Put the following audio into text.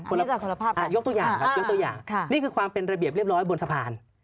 ยกตัวอย่างครับนี่คือความเป็นระเบียบเรียบร้อยบนสะพาน